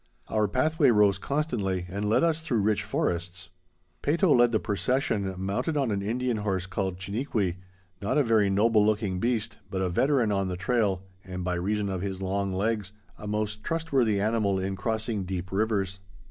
Our pathway rose constantly and led us through rich forests. Peyto led the procession mounted on an Indian horse called Chiniquy, not a very noble looking beast, but a veteran on the trail, and, by reason of his long legs, a most trustworthy animal in crossing deep rivers.